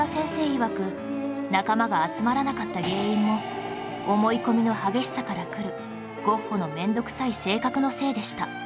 いわく仲間が集まらなかった原因も思い込みの激しさからくるゴッホの面倒臭い性格のせいでした